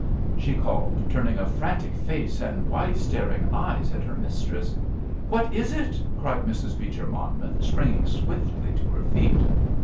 she called, turning a frantic face and wide staring eyes at her mistress. "What is it?" cried Mrs. Beecher Monmouth, springing swiftly to her feet.